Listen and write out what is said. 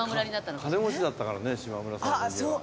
金持ちだったからね島村さんの家は。